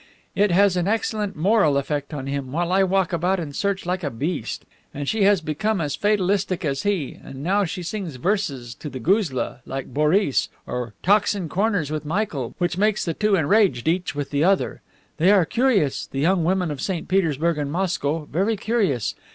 It has an excellent moral effect on him, while I walk about and search like a beast. And she has become as fatalistic as he, and now she sings verses to the guzla, like Boris, or talks in corners with Michael, which makes the two enraged each with the other. They are curious, the young women of St. Petersburg and Moscow, very curious.